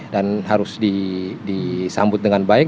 dan harus disambut dengan baik